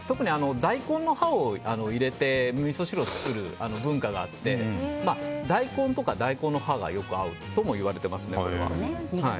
大根の葉を入れてみそ汁を作る文化があって大根とか大根の葉がよく合うとも言われてますね、これは。